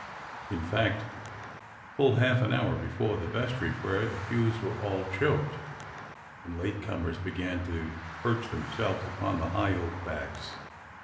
In fact, full half an hour before the vestry prayer the pews were all choked, and late comers began to perch themselves upon the high oak backs.